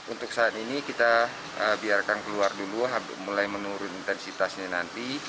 untuk saat ini kita biarkan keluar dulu mulai menurun intensitasnya nanti